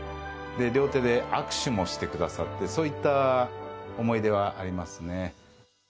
料亭で握手もしてくださってそういった思い出はありますね。